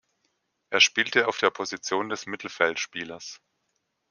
Er spielte auf der Position des Mittelfeldspielers.